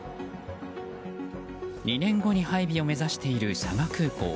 ２年後に配備を目指している佐賀空港。